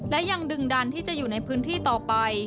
และยังดึงดันที่จะอยู่ในพื้นที่ต่อไป